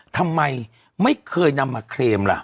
ทำไมไม่เคยนำมาเคลมล่ะ